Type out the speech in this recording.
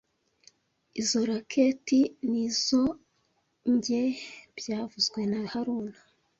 Izoi racket ni izoanjye byavuzwe na haruna